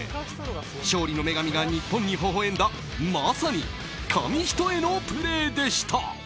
勝利の女神が日本にほほ笑んだまさに紙一重のプレーでした。